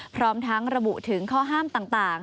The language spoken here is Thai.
พร้อมทั้งระบุถึงข้อห้ามต่าง